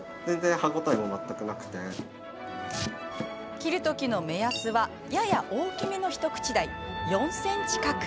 切る時の目安はやや大きめの一口大、４ｃｍ角。